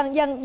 nah itu dia